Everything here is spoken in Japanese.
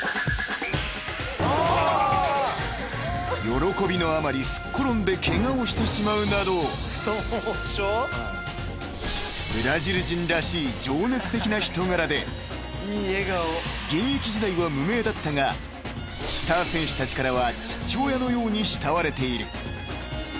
［喜びのあまりすっ転んでケガをしてしまうなどブラジル人らしい情熱的な人柄で現役時代は無名だったがスター選手たちからは父親のように慕われている］